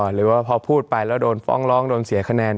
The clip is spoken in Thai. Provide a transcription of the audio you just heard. หรือว่าพอพูดไปแล้วโดนฟ้องร้องโดนเสียคะแนน